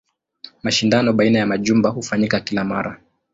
Mashindano baina ya majumba hufanyika kila mara.